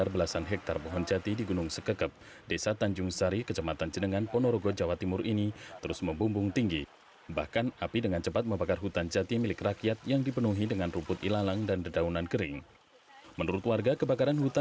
belasan hektare hutan jati di ponorogo jawa timur terbakar hebat